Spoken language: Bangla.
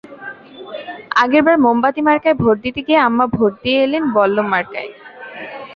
আরেকবার মোমবাতি মার্কায় ভোট দিতে গিয়ে আম্মা ভোট দিয়ে এলেন বল্লম মার্কায়।